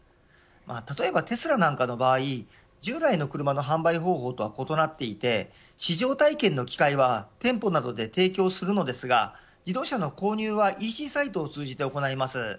例えば、テスラなんかの場合従来の車の販売方法とは異なっていて試乗体験の機会は店舗などで提供するのですが自動車の購入はＥＣサイトを通じて行います。